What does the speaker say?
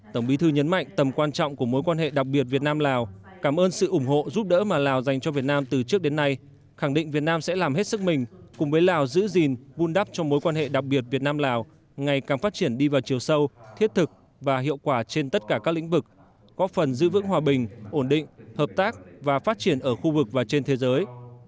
tổng bí thư nhấn mạnh tầm quan trọng của mối quan hệ đặc biệt việt nam lào cảm ơn sự ủng hộ giúp đỡ mà lào dành cho việt nam từ trước đến nay khẳng định việt nam sẽ làm hết sức mình cùng với lào giữ gìn vun đắp cho mối quan hệ đặc biệt việt nam lào ngày càng phát triển đi vào chiều sâu thiết thực và hiệu quả trên tất cả các lĩnh vực có phần giữ vững hòa bình ổn định hợp tác và phát triển ở khu vực và trên thế giới